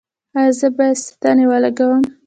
ایا زه باید ستنې ولګوم؟